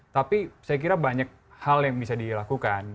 tapi saya kira banyak hal yang bisa dilakukan